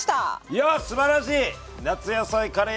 いやっすばらしい！